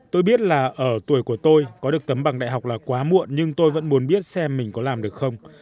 tôi biết là ở tuổi của tôi có được tấm bằng đại học là quá muộn nhưng tôi vẫn muốn biết xem mình có làm được không